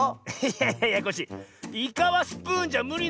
いやいやコッシーイカはスプーンじゃむりなのよ。